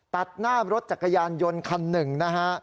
ตัดหน้ารถจักรยานยนต์คันหนึ่งนะฮะ